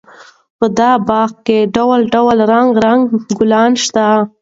په دې باغ کې ډول ډول رنګارنګ ګلان شته.